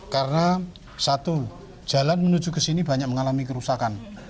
karena satu jalan menuju ke sini banyak mengalami kerusakan